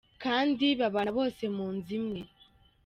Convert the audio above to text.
kandi babana bose mu nzu imwe!”.